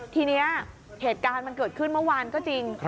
ทีนี้เหตุการณ์มันเกิดขึ้นเมื่อวานก็จริง